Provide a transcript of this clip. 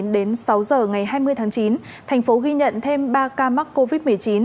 đến sáu h ngày hai mươi h thành phố ghi nhận thêm ba ca mắc covid một mươi chín